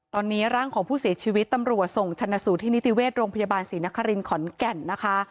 ตอนนี้ร่างของผู้เสียชีวิตตำรวจส่งชนะสูตรที่นิติเวชโรงพยาบาลศรีนครินขอนแก่นนะคะ